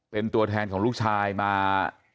เป็นตัวแทนของลูกชายมา